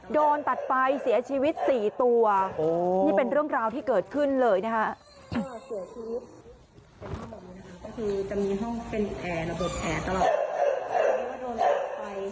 โดนตัดไปเสียชีวิต๔ตัวนี่เป็นเรื่องราวที่เกิดขึ้นเลยนะคะ